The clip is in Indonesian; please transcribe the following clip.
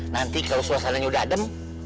nanti kalau suasananya udah adem